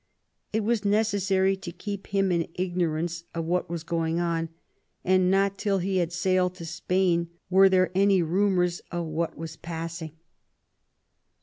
It was necessary to keep him in ignorance of what was going on, and not till he had sailed to Spain were there any rumours of what was passing.